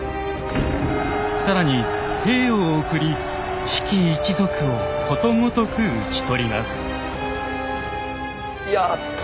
更に兵を送り比企一族をことごとく討ち取ります。